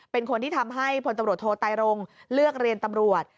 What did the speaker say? เป็นคนที่ทำให้พลตำรวจโทไตรรงเลือกเรียนตำรวจ